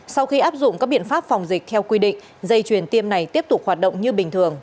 sau khi áp dụng các biện pháp phòng dịch theo quy định dây truyền tiêm này tiếp tục hoạt động như bình thường